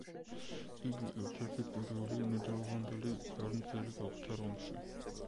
იგი ერთ-ერთი პირველი ნიდერლანდელი ფერმწერი გახდა რომში.